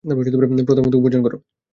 প্রথমত, উপার্জন কর।